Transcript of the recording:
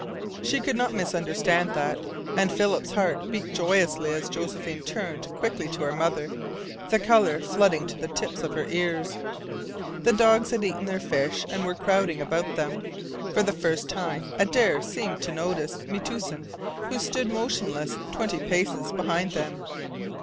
She could not misunderstand that! And Philip's heart beat joyously as Josephine turned quickly to her mother, the colour flooding to the tips of her ears. The dogs had eaten their fish and were crowding about them. For the first time Adare seemed to notice Metoosin, who had stood motionless twenty paces behind them.